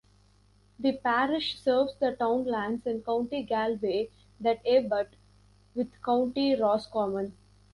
The parish serves the townlands in County Galway that abut with County Roscommon.